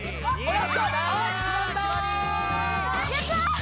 やった！